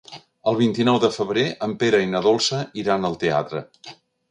El vint-i-nou de febrer en Pere i na Dolça iran al teatre.